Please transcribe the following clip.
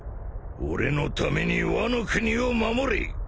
俺のためにワノ国を守れ。